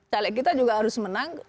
caleg kita juga harus menang